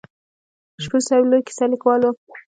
شپون صاحب لوی کیسه لیکوال و.